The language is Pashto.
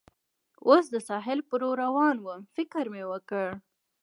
اوس د ساحل پر لور روان ووم، فکر مې وکړ.